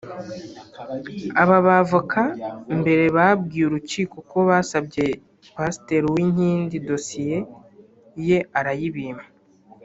Aba bavoka mbere babwiye urukiko ko basabye Pasiteri Uwinkindi dosiye ye arayibima